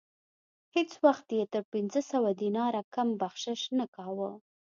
هیڅ وخت یې تر پنځه سوه دیناره کم بخشش نه کاوه.